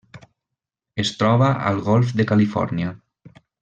Es troba al Golf de Califòrnia.